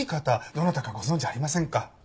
どなたかご存じありませんか？